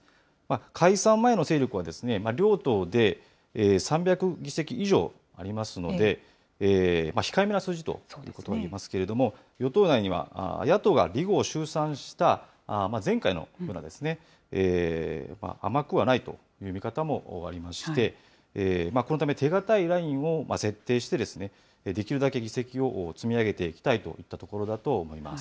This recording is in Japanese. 解散前の勢力は両党で３００議席以上ありますので、控えめの数字ということが言えると思いますけれども、与党内には野党が離合集散した前回のようなですね、甘くはないという見方もありまして、このため手堅いラインを設定して、できるだけ議席を積み上げていきたいといったところだと思います。